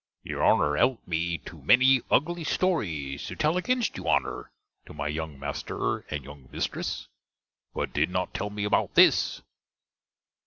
Your Honner helped me to many ugly stories to tell against you Honner to my younge master, and younge mistriss; but did not tell me about this.